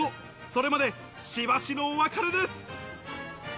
それまで、しばしのお別れです。